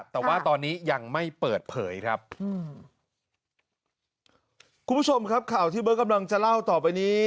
แต่ว่าตอนนี้ยังไม่เปิดเผยครับอืมคุณผู้ชมครับข่าวที่เบิร์ตกำลังจะเล่าต่อไปนี้